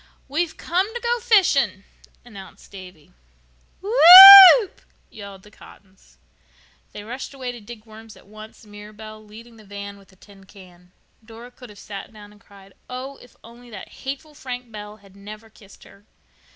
"We've come to go fishing," announced Davy. "Whoop," yelled the Cottons. They rushed away to dig worms at once, Mirabel leading the van with a tin can. Dora could have sat down and cried. Oh, if only that hateful Frank Bell had never kissed her!